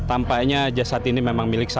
apakah dia sudah siap untuk mencari riza